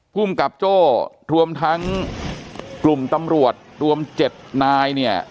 ภูมิกับโจ้รวมทั้งกลุ่มตำรวจรวม๗นายเนี่ย